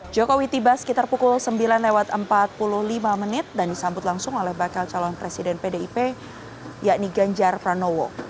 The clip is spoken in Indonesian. jokowi tiba sekitar pukul sembilan lewat empat puluh lima menit dan disambut langsung oleh bakal calon presiden pdip yakni ganjar pranowo